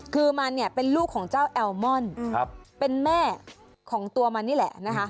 คือมันเนี่ยเป็นลูกของเจ้าแอลมอนเป็นแม่ของตัวมันนี่แหละนะคะ